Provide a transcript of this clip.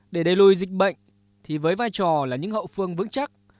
để đẩy lùi dịch bệnh thì với vai trò là những hậu phương vững chắc